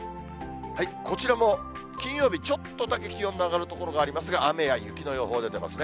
こちらも金曜日、ちょっとだけ気温の上がる所がありますが、雨や雪の予報出てますね。